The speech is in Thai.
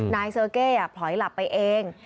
เซอร์เก้พลอยหลับไปเอง